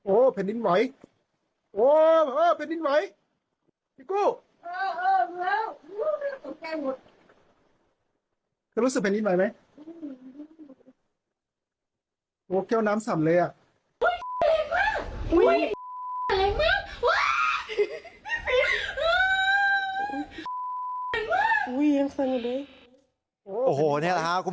โอ้โหนี่แหละค่ะ